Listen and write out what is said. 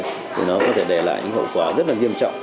thì nó có thể để lại những hậu quả rất là nghiêm trọng